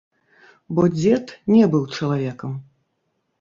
Бо дзед не быў чалавекам.